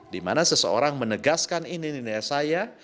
dimana seseorang menegaskan ini nilai saya